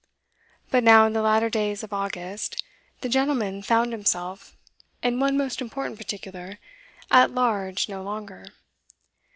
But now, in the latter days of August, the gentleman found himself, in one most important particular, at large no longer.